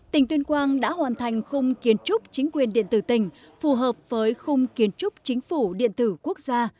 tỉnh tuyên quang đã hoàn thành khung kiến trúc chính quyền điện tử tỉnh phù hợp với khung kiến trúc chính phủ điện tử quốc gia